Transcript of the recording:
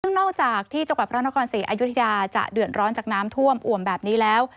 ซึ่งนอกจากที่จังหวัดพระนครศรีอยุธยาจะเดือดร้อนจากน้ำท่วมอ่วมแบบนี้แล้ว